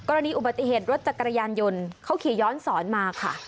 กรณีอุบัติเหตุรถจักรยานยนต์เขาขี่ย้อนสอนมาค่ะ